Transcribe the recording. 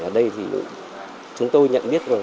ở đây thì chúng tôi nhận biết những cái hàng